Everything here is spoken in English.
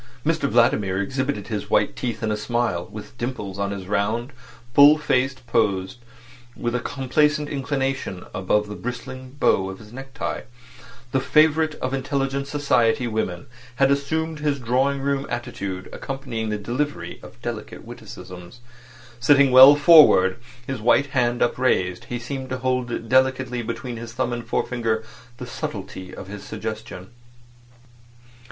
Mr Vladimir exhibited his white teeth in a smile, with dimples on his round, full face posed with a complacent inclination above the bristling bow of his neck tie. The favourite of intelligent society women had assumed his drawing room attitude accompanying the delivery of delicate witticisms. Sitting well forward, his white hand upraised, he seemed to hold delicately between his thumb and forefinger the subtlety of his suggestion.